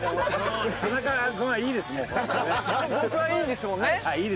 僕はいいんですもんね。